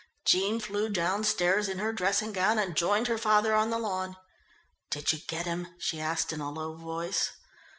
Jean flew downstairs in her dressing gown and joined her father on the lawn. "Did you get him?" she asked in a low voice.